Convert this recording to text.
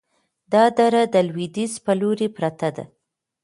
دا دره د لویدیځ په لوري پرته ده،